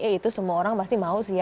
eh itu semua orang pasti mau sih ya